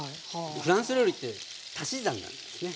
フランス料理って足し算なんですね。